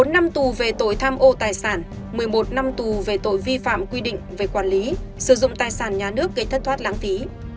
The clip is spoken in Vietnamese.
một mươi năm tù về tội tham ô tài sản một mươi một năm tù về tội vi phạm quy định về quản lý sử dụng tài sản nhà nước gây thất thoát lãng phí